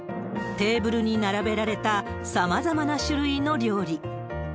テーブルに並べられた、さまざまな種類の料理。